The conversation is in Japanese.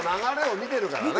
見てるからね。